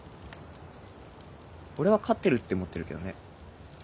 俺は勝ってるって思ってるけどね。